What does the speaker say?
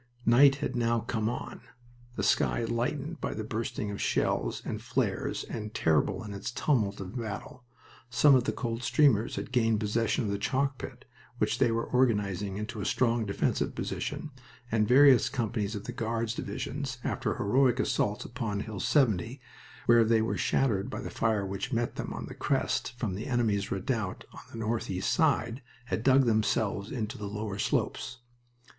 Night had now come on, the sky lightened by the bursting of shells and flares, and terrible in its tumult of battle. Some of the Coldstreamers had gained possession of the chalk pit, which they were organizing into a strong defensive position, and various companies of the Guards divisions, after heroic assaults upon Hill 70, where they were shattered by the fire which met them on the crest from the enemy's redoubt on the northeast side, had dug themselves into the lower slopes.